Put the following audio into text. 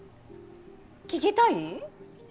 聞きたい？